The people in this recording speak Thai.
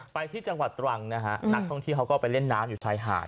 ไปที่จังหวัดตรังนะฮะนักท่องเที่ยวเขาก็ไปเล่นน้ำอยู่ชายหาด